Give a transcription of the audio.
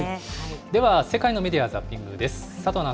では世界のメディア・ザッピングです。